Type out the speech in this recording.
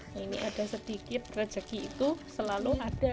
nah ini ada sedikit rezeki itu selalu ada